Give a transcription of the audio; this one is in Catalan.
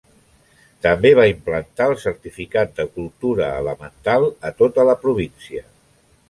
També va implantar el Certificat de Cultura Elemental a tota la província.